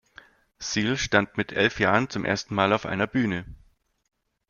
Seal stand mit elf Jahren zum ersten Mal auf einer Bühne.